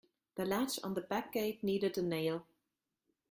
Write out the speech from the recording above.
The latch on the back gate needed a nail.